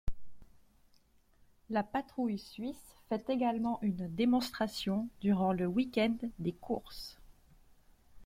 La Patrouille Suisse fait également une démonstration durant le week-end des courses.